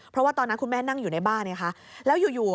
เพราะว่าตอนนั้นคุณแม่นั่งอยู่ในบ้านเนี่ยค่ะ